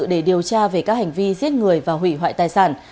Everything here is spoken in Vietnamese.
để điều tra về các hành vi giết người và hủy hoại tài sản